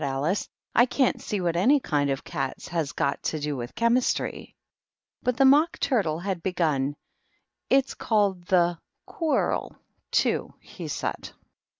" I can't see what any kind of cats has got to do with Chemistry." But the Mock Turtle had begun. " It's called the * Quarrel,^ too," he said.